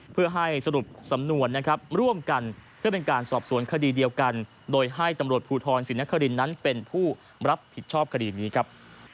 เพื่อให้สรุปสำนวนนะครับร่วมกันเพื่อเป็นการสอบสวนคดีเดียวกันโดยให้ตำรวจภูทรศรีนครินนั้นเป็นผู้รับผิดชอบคดีนี้ครับ